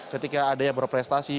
ketika ada yang berprestasi